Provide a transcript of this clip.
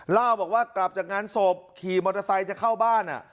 เล่าบอกว่ากลับจากงานศพขี่มอเตอร์ไซค์จะเข้าบ้าน